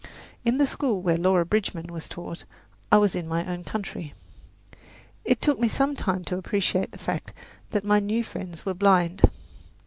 In the school where Laura Bridgman was taught I was in my own country. It took me some time to appreciate the fact that my new friends were blind.